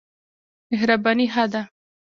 مهرباني ښه ده.